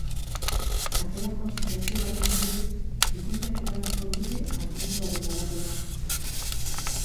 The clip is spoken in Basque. Sakelako aplikazio baten bidez, ikusleek erabakiko dute argumentuaren garapena.